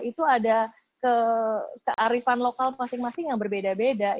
itu ada kearifan lokal masing masing yang berbeda beda